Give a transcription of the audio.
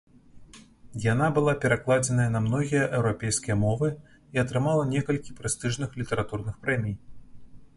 Яна была перакладзеная на многія еўрапейскія мовы і атрымала некалькі прэстыжных літаратурных прэмій.